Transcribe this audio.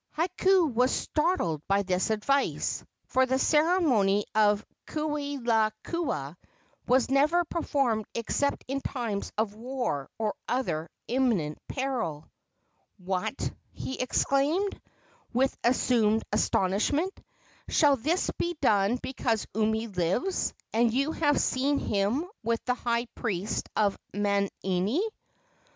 Hakau was startled by this advice, for the ceremony of kauilaakua was never performed except in times of war or other imminent peril. "What!" he exclaimed, with assumed astonishment, "shall this be done because Umi lives, and you have seen him with the high priest of Manini?"